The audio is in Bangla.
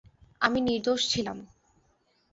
আমি নির্দোষ ছিলাম।